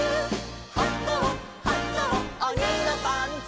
「はこうはこうおにのパンツ」